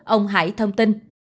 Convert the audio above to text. ông hải thông tin